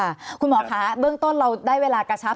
คุณหมอคะเบื้องต้นเราได้เวลากระชับ